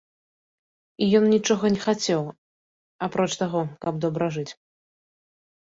І ён нічога не хацеў, апроч таго, каб добра жыць.